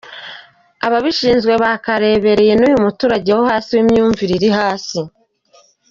Ababishinzwe bakarebereye n’uyu muturage wo hasi w’imyumvire iri hasi.